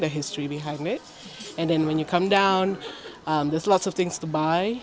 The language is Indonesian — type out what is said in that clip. dan ketika kita turun ke bawah ada banyak hal yang bisa dibeli